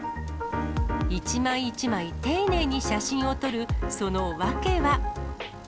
一枚一枚丁寧に写真を撮るその訳は。